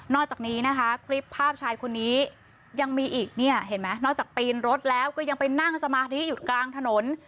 จากนี้นะคะคลิปภาพชายคนนี้ยังมีอีกเนี่ยเห็นไหมนอกจากปีนรถแล้วก็ยังไปนั่งสมาธิอยู่กลางถนน